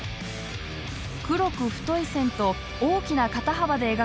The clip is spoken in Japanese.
黒く太い線と大きな肩幅で描かれた女性。